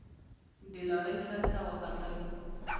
د لارۍ سر ته وختل.